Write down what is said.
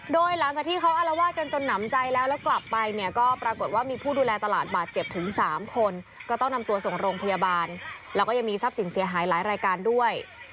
โดยหลังจากที่เขาอารวาสกันจนหนำใจแล้วแล้วกลับไปเนี่ยก็ปรากฏว่ามีผู้ดูแลตลาดบาดเจ็บถึง๓คนก็ต้องนำตัวส่งโรงพยาบาลแล้วก็ยังมีทรัพย์สินเสียหายหลายรายการด้วย